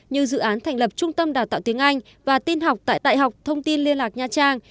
như dự án thành lập trung tâm đào tạo tiếng anh và tin học tại đại học thông tin liên lạc nha trang